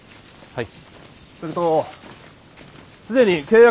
はい。